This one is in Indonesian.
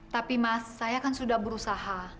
tapi mas saya kan sudah berusaha